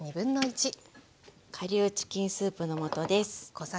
顆粒チキンスープの素です。